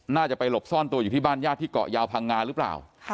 น่าจะไปหลบซ่อนตัวอยู่ที่บ้านญาติที่เกาะยาวพังงาหรือเปล่า